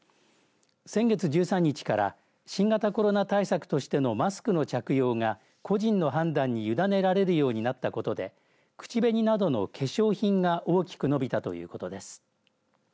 先月１３日から新型コロナ対策としてのマスクの着用が個人の判断にゆだねられるようになったことで口紅などの化粧品が大きく伸びたということです。